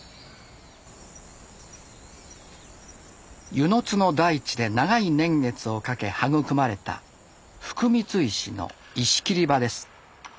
温泉津の大地で長い年月をかけ育まれた福光石の石切り場です。